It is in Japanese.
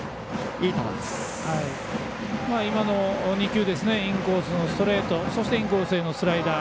今の２球インコースのストレートそしてインコースへのスライダー。